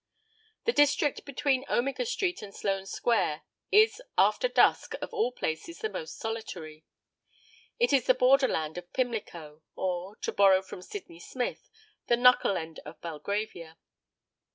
The district between Omega Street and Sloane Square is after dusk of all places the most solitary. It is the border land of Pimlico, or, to borrow from Sidney Smith, the knuckle end of Belgravia.